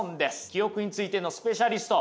記憶についてのスペシャリスト